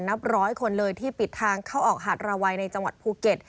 นับร้อยคนเลยที่ปิดทางเข้าออกหาดราวัยในจังหวัดภูเก็ต